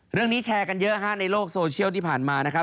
เรื่องนี้แชร์กันเยอะห้าในโลกโซเชียลที่ผ่านมานะครับ